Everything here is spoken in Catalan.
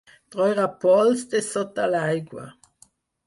Treure pols de sota l'aigua.